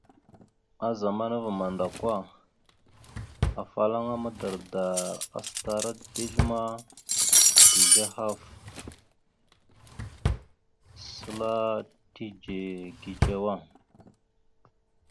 A zamana ava mandako, afalaŋa madardar acətara dezl ma, dezl ahaf səla tidze gidzewa.